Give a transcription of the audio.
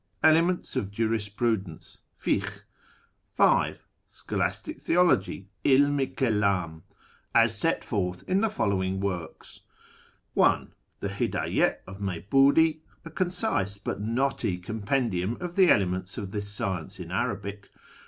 Elements of Jurisprudence (Fikh). V. Scholastic Theology {'Ilm i Keldm), as set forth in the following works :— 1. The Hiddye of Meybudi, a concise but knotty com pendium of the elements of this science in Arabic.